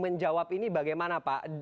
menjawab ini bagaimana pak